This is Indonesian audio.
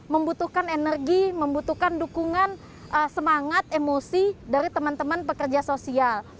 membutuhkan energi membutuhkan dukungan semangat emosi dari teman teman pekerja sosial